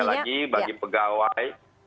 dan sekali lagi bagi pegawai